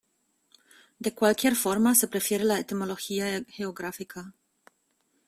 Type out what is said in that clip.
De cualquier forma, se prefiere la etimología geográfica.